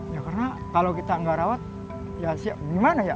ya karena kalau kita nggak rawat ya gimana ya